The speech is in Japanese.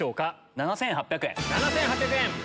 ７８００円。